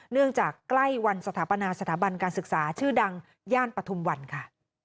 เนื่องจากใกล้วันสถาปนาสถาบันการศึกษาชื่อดังย่านปฐุมวันค่ะ